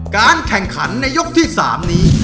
การแข่งขันในยกที่๓นี้